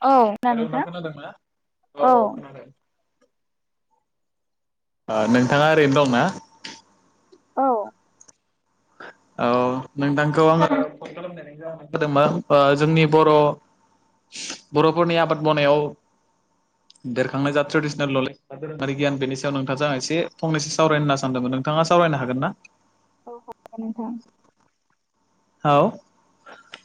औ हेल नोंथां खोनादों ना औ औ खोनादों। आ नोंथाङा ओरैनो दं ना। औ औ नोंथांखौ आङो जादों मा जोंनि बर' बर'फोरनि आबाद मावनायाव देरखांनाय जा ट्रेडिसनेल न'ले द धोरोमारि गिय बेनि सायाव नोंथाङा ज आं एसेंनैो सावरायनो होनना सानदोंमोन नोंथाङा सावरायनो हागोन ना। औ ज नथां। औ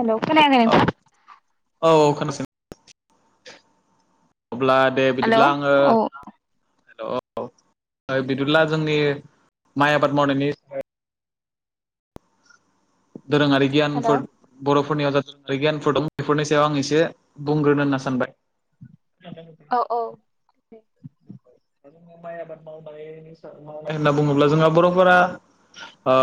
हेल' खोनायाखै औ नोंथां। औ औ खोनस अब्ला दे हेलौ बिदिब्ला आङो औ हेल' बिदिब्ला जोंनि माइ आबाद मावनायनि दोरोङारि हेलौ गियानफोर बर'फोरनियाव जादों गियानफोर दं बेफोरनि सायाव आं एसे बुंग्रोनो होनना सानबाय। दा औ औ जोङो माइ आबाद मावनानै होनना बुङोब्ला जोंहा बर'फोरा ओ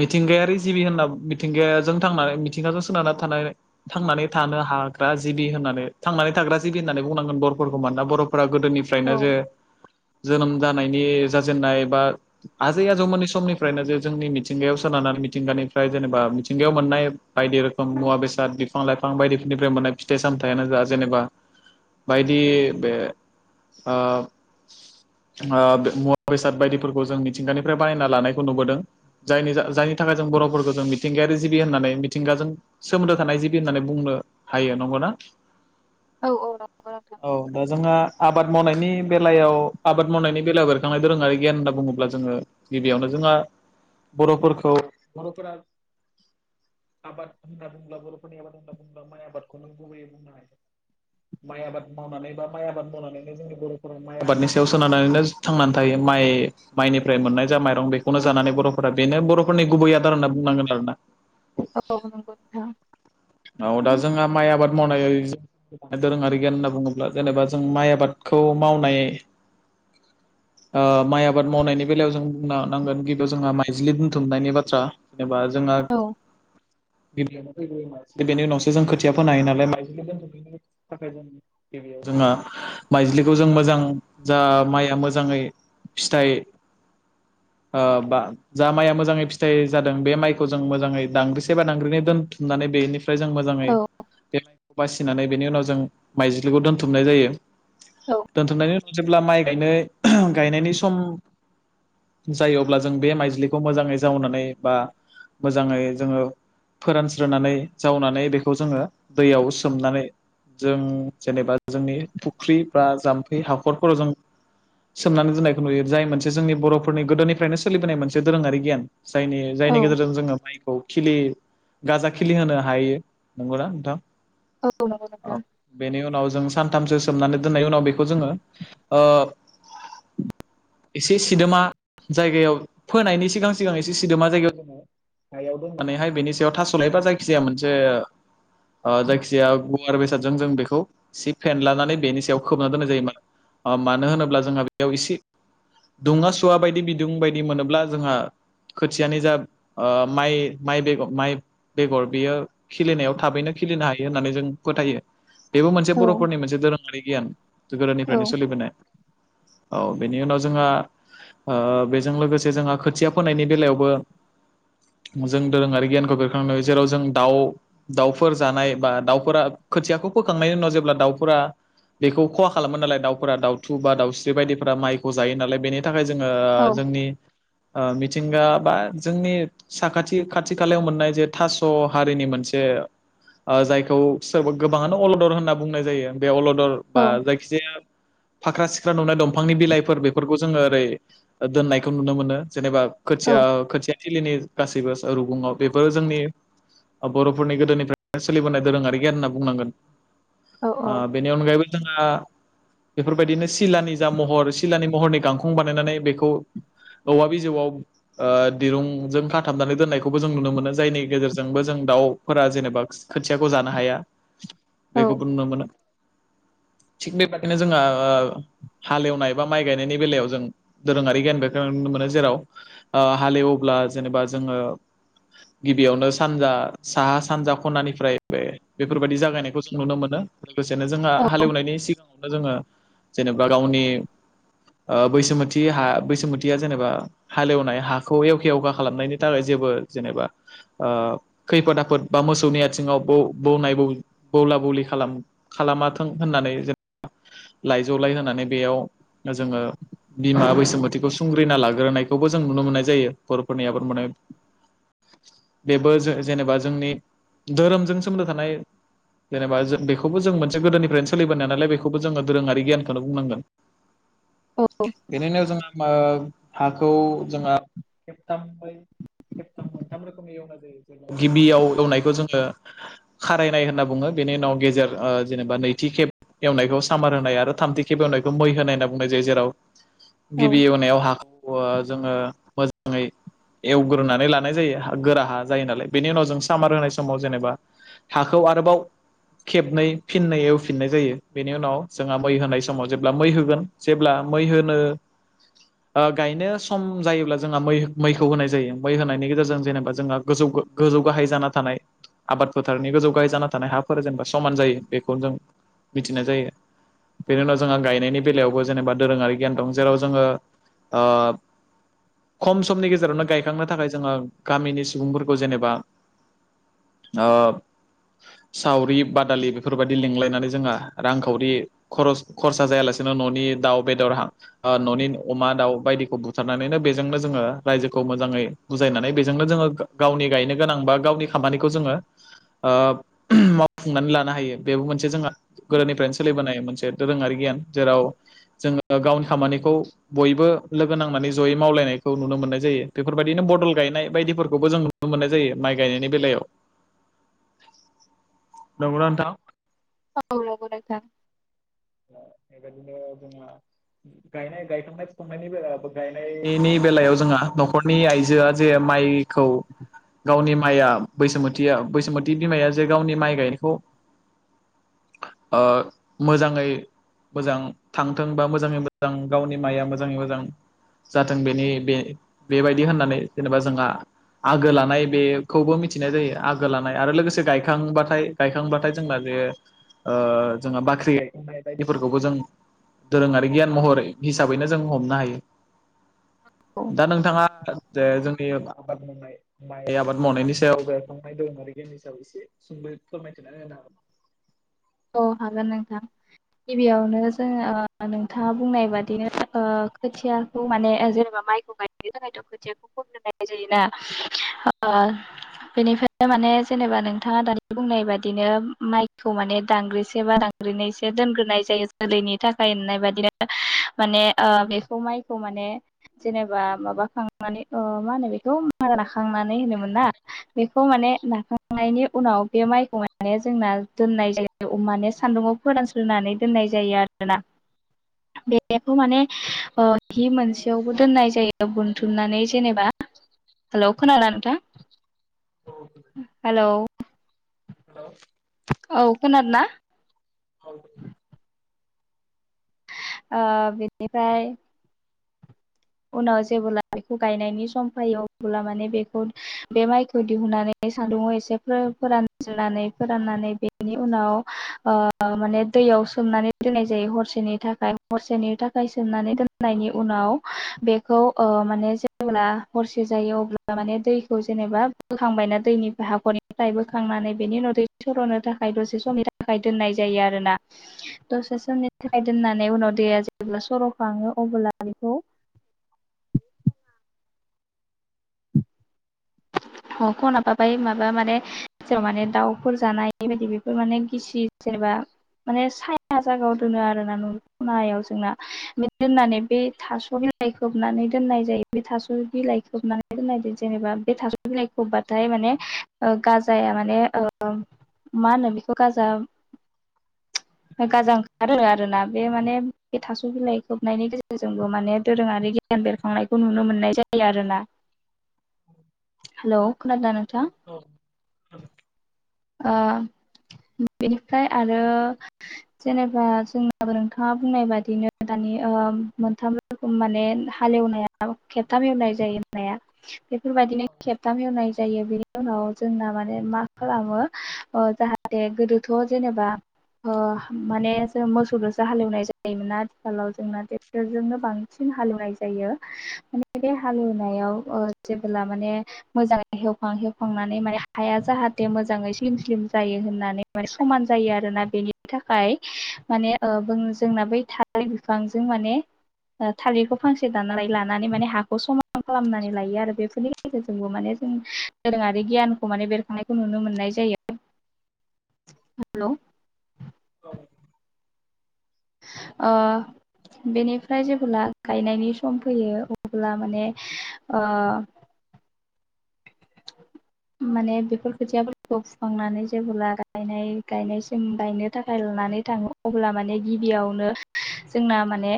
मिथिंगायारि जिबि होनना मिथिंगाजों थांनानै मिथिंगाजों सोनारनानै थानाय। थांनानै थानो हाग्रा जिबि होननानै थांनानै थाग्रा जिबि होननानै बुंनांगोन बर'फोरखौ मानोना बर'फोरा गोदोनि फ्रायनो जे जोनोम जानायनि जाजेननाय बा आजै आजौमोनानि समनिफ्रायनो जों मिथिंगायाव सोनानानै मिथिंगानिफ्राय जेनेबा मिथिंगायाव मोननाय बायदि रोखोम मुवा बेसाद बिफां लाइफां बायदिफोरनिफ्राय मोननाय फिथाइ सामथाइयानो जा जेनेबा बायदि बे ओ ओ मुवा बेसाद बायदिफोरखौ जों मिथिंगानिफ्राय बायना लानायखौ नुबोदों। जायनि जायनि थाखाय जों बर'फोरखौ जों मिथिंगायारि जिबि होननानै मिथिंगाजों सोमोन्दो थानाय जिबि होननानै बुंनो हायो नंगौ ना? औ औ र औ। औ दा जोंहा आबाद मावनायनि बेलायाव आबाद मावनायनि बेलायाव बेरखांनाय दोरोङारि गियान होनना बुङोब्ला जोङो गिबियावनो जोंहा बर'फोरखौ बर'फोरा आबाद होनना बुंबा बर'फोरा आबाद होनबा माइ आबादखौ नों गुबैयै बुंनो हायो माइ आबाद मावनानै बा माइ आबाद मावनानै जोंनि बर'फोर माइ आबादनि सायाव सोनारनानैनो थांनानै थायो माइ माइनिफ्राय मोननाय जा माइरं बेखौनो जानानै बर'फोरा बेनो बर' फोरनि गुबै आदार होनना बुंनांगोन आरोना औ नंगौ नोंथां औ दा जोंहा माइ आबाद मावनाय दोरोङारि गियान होनना बुङोब्ला जेनेबा जों माइ आबादखौ मावनाय ओ माइ आबाद मावनायनि बेलायाव जों बुंनो नांगोन गिबियाव जोंहा माइज्लि बुथुमनायनि बाथ्रा जेनेबा जोंहा औ गिबियावनो फै बेनि उनावसो जों खोथिया फोनो हायो नालाय माइ थाखाय जों गिबियाव जोंहा माइज्लिखौ जों मोजां जा माइआ मोजाङै फिथाइ बा जा माइया मो मोजाङै फिथाइ जादों बे माइखौ जों मोजाङै दांग्रिसे बा दांग्रिनो दोनथुमनानै बेनि ओमफ्राय जों मोजाङै औ बेखौ बासिनानै बेनि उनाव जों माइजिलिखौ दोनथुमनाय जायो औ दोनथुमनाय नि उनाव जेब्ला माइ गायनाय गायनायनि सम जायो अब्ला जों बे माइज्लिखौ मोजाङै जावनानै बा मोजाङै जोङो फोरानस्रानै जावनानै बेखौ जोङो दैयाव सोमनानै जों जेनेबा जोंनि फुख्रि बा जाम्फै हाखरफोराव जों सोमनानै दोननायखौ नुयो जाय मोनसे जोंनि बर'फोरनि गोदोनिफ्रायनो सोलिबोनाय मोनसे दोरोङारि गियान। जायनि औ जायनि गेजेरजों जोङो माइखौ खिलि गाजा खिलि होनो हायो नंगौना नोंथां औ नंगौ औ नोथां बेनि उनाव जों सानथामसो सोमनानै दोननायनि उनाव बेखौ जोङो एसे सिदोमा जायगायाव फोनायनि सिगां सिगां एसे सिदोमा जायगायाव ज हायाव दं मानेहाय बेनि सायाव थास' लायबा जायखिजाया मोनसे जायखिजाया गुवार बेसादजों जों बेखौ सि फेनलानानै बेनि सायाव खोबना दोननाय जायोमोन। मानो होनोब्ला जोंहा बेयाव एसे दुङा सुवा बायदि बिदुं बायदि मोनोब्ला जोंहा खोथियानि जा माइ माइ बेग माइ बेगर बियो खिलिनायाव थाबैनो खिलिनो हायो होननानै जों फोथायो बेबो मोनसे औ बर'फोरनि मोनसे दोरोङारि गियान औ गोदोनिफ्रायनो सोलिबोनाय औ बेनि उनाव जोंहा बेजों लोगोसे जोंहा खोथिया फोनायनि बेलायावबो जों दोरोङारि गियानखौ बेरखांनो नुयो जेराव जों दाउ दाउफोर जानाय बा दाउफोरा खोथियाखौ फोखांनायनि उनाव जेब्ला दाउफोरा बेखौ खहा खालामो नालाय दाउफोरा दाउथु बा दाउस्रि बायदिफोरा माइखौ जायो नालाय बेनि नि थाखाय जोङो औ जोंनि मिथिंगा बा जोंनि साखाथि खाथि खालायाव मोननाय जे थास' हारिनि मोनसे जायखौ सोरबा गोबाङानो अलदर होनना बुंनाय जायो बे अलदर बा जायखि जाया फाख्रा सिख्रा नुनाय दंफांनि बिलाइफोर बेफोरखौ जोङो ओरै दोननायखौ नुनो मोनो जेनेबा खोथिया खोथिया थलिनि गासैबो रुगुङाव बेफोरो जोंनि बर'फोरनि गोदोनिफ्राय सोलिबोनाय दोरोङारि गियान होनना बुंनांगोन औ बेनि अनगायैबो जोंहा बेफोरबायदिनो सिलानि जा महर सिलानि महरनि गांखं बानायनानै बेखौ औवा बिजौआव ओ दिरुंजों खाथाबनानै दोननायखौबो जों नुनो मोनो जायनि गेजेरजोंबो जों दाउफोरा जेनेबा खोथियाखौ जानो हाया औ बेखौबो नुनो मोनो थिग बेबादिनो जोंङो ओ हालेवनाय बा माइ गायनायनि बेलायाव जों दोरोङारि गियान बेखौ नुनो मोनो जेराव हालेवब्ला जेनेबा जोङो गिबियावनो सानजा साहा सानजा खनानिफ्राय बे बेफोरबायदि जागायनायखौ जों नुनो मोनो लोगोसेनो जोंहा नंगौ हालेवनायनि सिगाङावनो जोङो जेनेबा गावनि बैसोथि हा बैसोथिया जेनेबा हालेवनाय हाखौ एवखे एवखा खालामनायनि थाखाय जेबो जेनेबा ओ खैफोद आफोद बा मोसौनि आथिङाव बौ बौनाय बौ बौला बौलि खालाम खालामाथों होननानै जेन लाइजौलाय होनानै बेयाव जोङो बिमा बैसोमथिखौ सुंग्रिना लाग्रोनायखौबो जों नुनो मोन्नाय जायो बर'फोरनि आबाद मावनाय बेबो जे जेनेबा जोंनि धोरोमजों सोमोन्दो थानाय जेनेबा जों बेखौबो जों मोनसे गोदोनिफ्रायनो सोलिबोनायाया नालाय बेखौबो जोङो दोरोङारि गियानखौनो बुंनांगोन [inaudible] बेनिनो जों ओ हाखौ जोंहा [unintelligible] [unintelligible] गिबियाव एवनायखौ जोङो खारायनाय होनना बुङो बेनि उनाव गेजेर जेनेबा नैथि खेब एवनायखौ सामार होनाय आरो थामथि खेब एवनायखौ मै होनाय होनना बुंनाय जायो जेराव गिबि एनायाव हाखौ जोङो मोजाङै एवग्रोनानै लानाय जायो गोरा जायो नालाय बेनि उनाव जों सामार होनाय समाव जेनेबा हाखौ आरोबाव खेबनै फिननाय एवफिननाय जायो बेनि उनाव जोंहा मै होनाय समाव जेब्ला मै होगोन जेब्ला मै होनो गायनो सम जायोब्ला जोंहा मै मैखौ होनाय जायो मै होनायनि गेजेरजों जेनेबा जोंहा गोजौ गोजौ गाहाय जाना थानाय आबाद फोथारनि गोजौ गाहाय जाना थानाय हाफोरा जेनेबा समान जायो बेखौनो जों मिथिनाय जायो बेनि उनाव जोंहा गायनायनि बेलायावबो जेनेबा दोरोङारि गिय दं जेराव जोङो ओ खम समनि गेजेरावनो गायखांनो थाखाय जोङो गामिनि सुबुंफोरखौ जेनेबा अ सावरि बादालि बेफोरबायदि लिंलायनानै जोंहा रांखावरि खरस खरसा जायालासिनो न'नि दाउ बेदर हा न'नि अमा दाउ बायदिखौ बुथारनानैनो बेजोंनो जोङो रायजोखौ मोजाङै बुजायनानै बेजोंनो जोङो गावनि गायनो गोनां बा गावनि खामानिखौ जोङो ओ मावफुंनानै लानो हायो बेबो मोनसे जोंहा गोदोनिफ्रायनो सोलिबोनाय मोनसे दोरोङारि गियान जेराव जोङो गावनि खामानिखौ बयबो लोगो नांनानै जयै मावलायनायखौ नुनो मोन्नाय जायो बेफोरबायदिनो बदल गायनाय बायदिफोरखौबो जों नुनो मोननाय जायो माइ गायनायनि बेलायाव नंगौना नोंथां [unintelligible] [unintelligible] नायनि बे गायनायनि बेलायाव जोंहा न'खरनि आइजोआ जे माइ खौ गावनि माइआ बैसथिया बैसुमत बिमाया जे गावनि माइ गायनायखौ ओ मोजाङै मोजां थांथोंबा मोजाङै मोजां गावनि माइआ मोजाङै मोजां जाथों बेनि बे बेबायदि होननानै जेनेबा जोंहा आगो लानाय बेखौबो मिथिनाय जायो आगो लानाय आरो लोगोसे गायखांबाथाय गायखांबाथाय जोंना बे ओ जोंहा बाख्रि गायखननाय बेफोरखौबो जों दोरोङारि गियान महर हिसाबैनो जों हमनो हायो औ दा नोंथाङा जे जोंनि आबाद मावनाय माइ आबाद मावनायनि सायाव बेरखांनाय दं आरोखि बेनि सायाव एसे सोंबा फोरमायथिना होनो हागोन औ हागोन नोंथां गिबियावनो जोङो नोंथाङा बुंनाय बादिनो खोथियाखौ माने जेनेबा माइखौ गायनो थाखाय खोथियाखौथ' फोग्रोनाय जायोना ओ बेनिखायनो माने जेनेबा नोंथाङा दानि बुंनाय बायदिनो माइखौ माने दांग्रिसे बा दांग्रिनैसो दोनग्रोनाय जायो जोलैनि थाखाय होननाय बादिनो माने ओ बेखौ माइखौ माने जेनेबा माबाखांनानै ओ मा होनो बेखौ मारा नाखांनानै होनोमोन ना बेखौ माने नाखांनायनि उनाव बे माइखौ माने जोंना दोननाय जायो औ माने सान्दुंङाव फोरानस्रोनानै दोननाय जायो आरोना [inaudible] बेखौ माने ओ हि मोनसेयावबो दोननाय जायो बुथुमनानै जेनेबा हेलौ खोनादों ना नोंथां हेलौ हेलौ औ खोनादोंना औ ओ बिनिफ्राय उनाव जेबोब्ला बेखौ गायनायनि सम फैयो अब्ला माने बेखौ बे माइखौ दिहुननानै सान्दुङाव एसे फोरानजनानै फोराननानै बेनि उनाव ओ ओ माने दैयाव सोमनानै दोननाय जायो हरसेनि थाखाय हरसेनि थाखाय सोमनानै दोननायनि उनाव बेखौ ओ माने जेब्ला हरसे जायो अब्ला माने दैखौ जेनेबा बोखांबायना दैनि हाखरनिफ्राय बोखांनानै बेनि उदै सर'नो थाखाय दसेस' निटा फ्राय दोननाय जायो आरोना दसे समनि थाखाय दोननानै उनाव दैया जेब्ला सर' खाङो अब्ला बेखौ हखनाफाबाय माबा माने जेनेबा माने दाउफोर जानो हयिबायदि बेफोर माने गिसि जेनेबा माने सा फा जागाव दोनो आरोना मायाव जोंना बे दोननानै बे थास' बिलाइ खोबनानै दोननाय जायो बे थास' बिलाइ खोबनानै दोननायदो जेनेबा बे थास बिलाइखौबाथाय माने गाजाया माने ओ मा होनो बेखौ गाजा गाजा ओंखारो आरोना बे माने बे थास' बिलाइ खोबनायनि गेजेरजोंबो माने दोरोङारि गियान बेरखांनायखौ नुनो मोननाय जाय जायो आरोना हेलौ खनादों ना नोंथां औ ओ बेनिफ्राय आरो जेनेबा जोंनाबो नोंथाङा बुंनाय बादिनो दानि ओ मोनथाम रोखोम माने हालेवनाया खेबथाम एवनाय जायो बाया बेफोरबायदिनो खेबथाम एवनाय जायो बेनि उनाव जोंना माने मा खालामो ओ जाहाथे गोदोथ' जेनेबा ओ माने जों मोसौदोसो हालेवनाय जायोमोना आथिखालाव जोंना ट्रेक्टरजोंनो बां सिन हालेवनाय जायो माने बे हालेवनायाव ओ जेबोब्ला माने मोजाङै हेवखां हेवखांनानै माने हाया जाहाथे मोजाङै स्लिम स्लिम जायो होननानै मानेसमान जायोआरोना बेनि थाखाय माने ओ बों जोंना बै था राय बिफांजों माने थालिरखौ फांसे दाननानै लानानै माने हाखौ समान खालामनानै लायो आरो बेफोरनि गेजेरजोंबो माने जों दोरोङारि गियानखौ माने बेरखांनायखौ नुनो मोननाय जायो हेल' औ ओ बेनिफ्राय जेबोला गायनायनि सम फैयो अब्ला माने माने बेफोर खोथियाफोरखौ फुखांनानै जेबोला गायनाय गायनायसिम गायनो थाखाय लानानै थाङो अब्ला माने गिबियावनो जोंना माने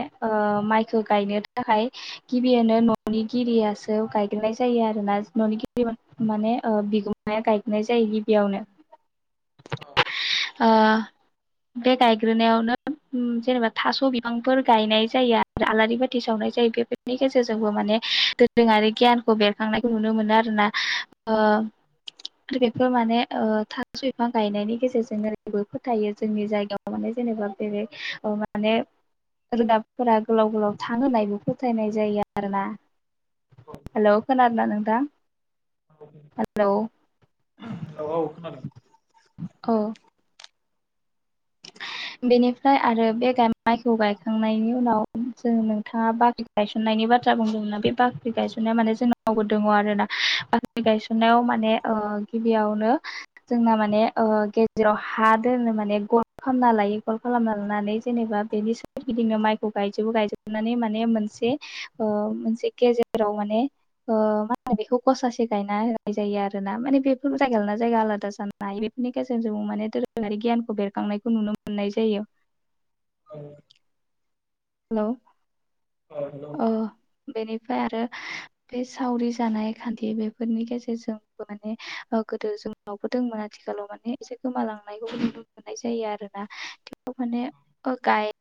माइखौ गायनो थाखाय गिबियावनो न'नि गिरियासो गायगोरनाय जायो आरो ना न'नि ग माने बिगुमाया गायनाय जायो गिबियावनो औ बे गायग्रोनायावनो जेनेबा थास' बिफांफोर गायनाय जायो आलारि बाथि सावनाय जायो बेफोरनि गेजेरजोंबो माने दोरोङारि गियानखौ बे बेरखांनायखौ नुनो मोनो आरोना आरो बेफोर माने थास' बिफां गायनायनि गेजेरजों जेबो फोथायो जोंनि जायगायाव माने जेनेबा बेे माने रोदाफोरा गोलाव गोलाव थाङो होननाबो फोथायनाय जायो आरोना हेल' खोनादोंना नोंथां हागोन हेल' औ औ औ खोनादों बेनिफ्राय आरो बे माइखौ गायखांनायनि उनाव जों नोंथाङा बाख्रि गायसननायनि बाथ्रा बुंदोंमोना बे बाख्रि गायसननाया माने जोंनावबो दङ आरो ना बाख्रि ख्रि गायसननायाव माने गिबियावनो जोंना माने गेजेराव हा दोननो माने ग खालामना लायो गल खालामना लानानै जेनेबा बेनि सोरगिदिङाव माइखौ गायजोबो गायजोबनानै माने मोनसे ओ मोनसे गेजेराव माने ओ मा होनो बेखौ गसासे गायना होनाय जायो आरो ना माने बेफोर जायगा लानानै ना जायगा आलादा जानो नाय बेफोरनि गेजेरजों माने दोरोङारि गियानखौ बेरखांनायखौ नुनो मोननाय जायो औ हेल' अ न औ बेनिफ्राय आरो बे सावरि जानाय खान्थि बेफोरनि गेजेरजों माने गोदो जों बो दंमोन आथिखालाव माने एसे गोमालांनायखौबो नुनो मोननाय जायो आरो ना थेवबो माने अ गाय